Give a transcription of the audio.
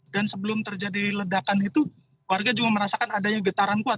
dan sebelum terjadi ledakan itu warga juga merasakan adanya getaran kuat